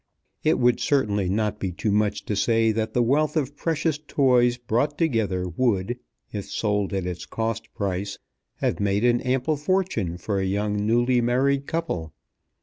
It would certainly not be too much to say that the wealth of precious toys brought together would, if sold at its cost price, have made an ample fortune for a young newly married couple.